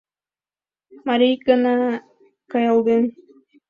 Мари икана каялден